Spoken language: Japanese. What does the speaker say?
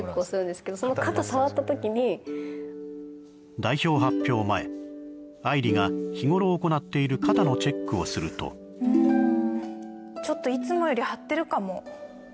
代表発表前、愛梨が日頃行っている肩のチェックをするとうーん、ちょっといつもより張ってるかも。